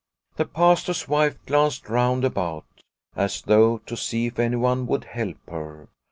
The Pastor's wife glanced round about, as though to see if anyone would help her.